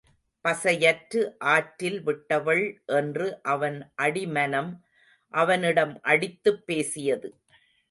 பசையற்று ஆற்றில் விட்டவள் என்று அவன் அடி மனம் அவனிடம் அடித்துப்பேசியது.